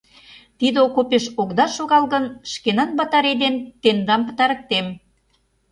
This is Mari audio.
— Тиде окопеш огыда шогал гын, шкенан батарей дене тендам пытарыктем!